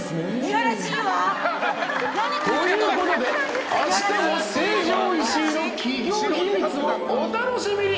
何この人！ということで明日も成城石井の企業秘密をお楽しみに！